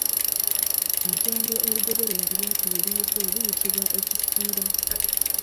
Ejjengo erigoberera eryato we liyise liyitibwa Ekisiira.